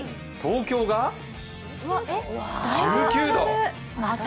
東京が１９度。